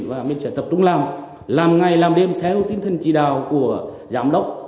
và mình sẽ tập trung làm làm ngày làm đêm theo tính thân chỉ đạo của giám đốc